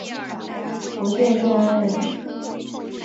福建建安人。